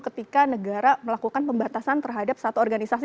ketika negara melakukan pembatasan terhadap satu organisasi